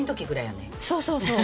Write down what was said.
そうそうそう。